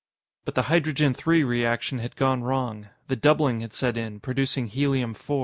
But the Hydrogen 3 reaction had gone wrong. The doubling had set in, producing Helium 4.